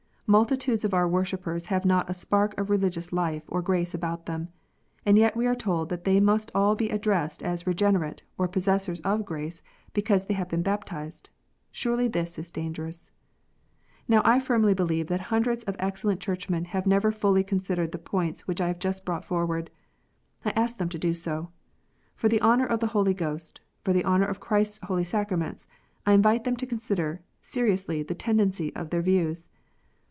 Multitudes of our worshippers have not a spark of religious life or grace about them. And yet we are told that they must all be addressed as regenerate, or possessors of grace, because they have been baptized ! Surely this is dangerous ! Now I firmly believe that hundreds of excellent Churchmen have never fully considered the points which I have just brought forward. I ask them to do so. For the honour of the Holy Ghost, for the honour of Christ s holy sacraments, I invite them to consider seriously the tendency of their views.